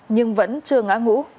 nhưng vẫn chưa ngã ngũ